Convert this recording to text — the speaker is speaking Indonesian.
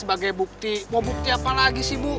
sebagai bukti mau bukti apa lagi sih bu